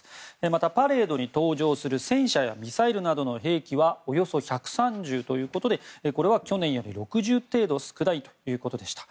またパレードに登場する戦車やミサイルなどの兵器はおよそ１３０ということでこれは去年より６０程度少ないということでした。